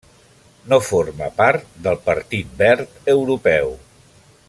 No forma part del Partit Verd Europeu.